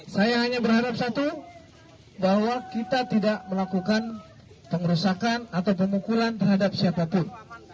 saya hanya berharap satu bahwa kita tidak melakukan pengerusakan atau pemukulan terhadap siapapun